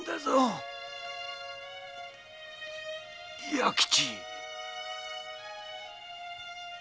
弥吉。